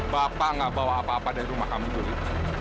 bapak nggak bawa apa apa dari rumah kamu dulu